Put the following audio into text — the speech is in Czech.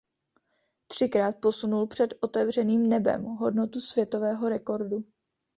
Třikrát posunul pod otevřeným nebem hodnotu světového rekordu.